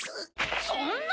そんな！